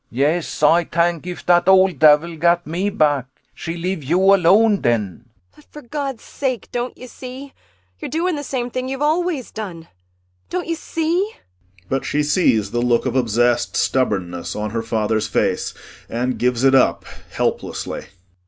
CHRIS Yes, Ay tank if dat ole davil gat me back she leave you alone den. ANNA [Bitterly.] But, for Gawd's sake, don't you see, you're doing the same thing you've always done? Don't you see ? [But she sees the look of obsessed stubbornness on her father's face and gives it up helplessly.